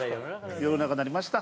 世の中になりました。